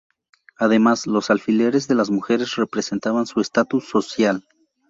Además, los alfileres de las mujeres representaban su estatus social.